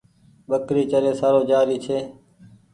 ٻڪري چري سارو جآ ري ڇي۔